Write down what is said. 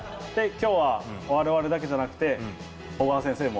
今日は我々だけじゃなくて小川先生も。